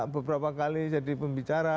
beberapa kali jadi pembicara